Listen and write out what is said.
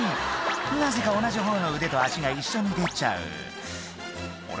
なぜか同じほうの腕と足が一緒に出ちゃうあれ？